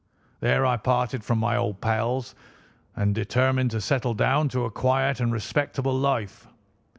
There I parted from my old pals and determined to settle down to a quiet and respectable life.